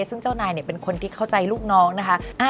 ซึ่งเจ้านายเป็นคนที่เข้าใจลูกน้องนะคะ